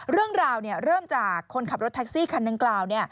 เรื่องราวเริ่มจากคนขับรถแท็กซี่คันดังกล่าว